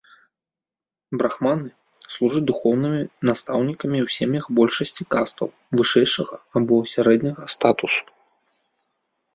Брахманы служаць духоўнымі настаўнікамі ў сем'ях большасці кастаў вышэйшага або сярэдняга статусу.